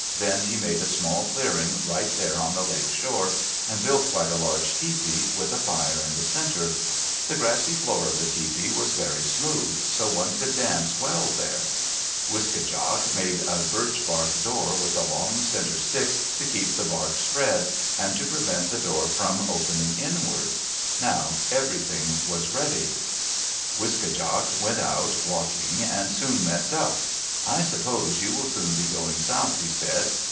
Then he made a small clearing right there on the lake shore, and built quite a large tepee, with a fire in the center. The grassy floor of the tepee was very smooth, so one could dance well there. Wiske djak made a birch bark door, with a long center stick to keep the bark spread, and to prevent the door from opening inward. Now everything was ready. Wiske djak went out walking and soon met Duck. "I suppose you will soon be going south," he said.